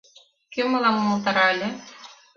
Кӧ мылам умылтара ыле?..